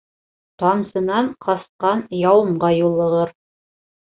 Тамсынан ҡасҡан яуымға юлығыр.